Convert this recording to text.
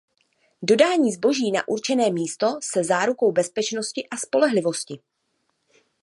Dodání zboží na určené místo se zárukou bezpečnosti a spolehlivosti.